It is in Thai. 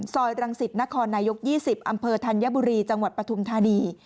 รังสิตนครนายก๒๐อำเภอธัญบุรีจังหวัดปฐุมธานี